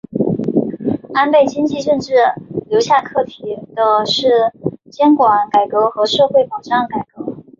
安倍经济政策留下课题的是监管改革和社会保障改革。